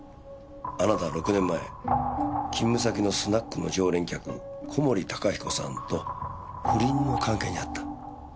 あなたは６年前勤務先のスナックの常連客小森高彦さんと不倫の関係にあった。